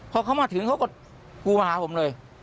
พอเขามาถึงเขาก็กูมาหาผมเลย